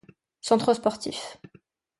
Centre sportif.